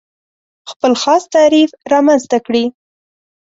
خپل خاص تعریف رامنځته کړي.